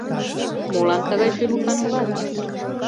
Молан тыгай шӱлыкан улат?